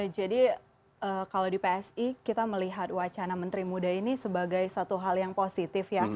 jadi kalau di psi kita melihat wacana menteri muda ini sebagai satu hal yang positif ya